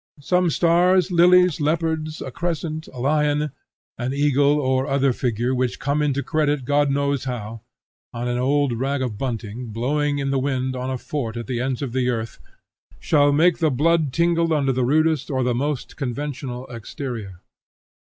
Some stars, lilies, leopards, a crescent, a lion, an eagle, or other figure which came into credit God knows how, on an old rag of bunting, blowing in the wind on a fort at the ends of the earth, shall make the blood tingle under the rudest or the most conventional exterior.